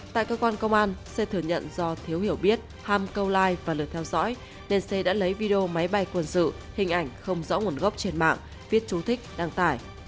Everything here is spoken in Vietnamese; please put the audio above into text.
tại cơ quan công an c thừa nhận do thiếu hiểu biết ham câu like và lượt theo dõi nên xe đã lấy video máy bay quân sự hình ảnh không rõ nguồn gốc trên mạng viết chú thích đăng tải